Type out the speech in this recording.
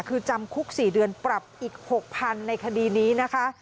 คือจำคุก๔เดือนปรับอีก๖๐๐๐ในคดีนี้นะคะ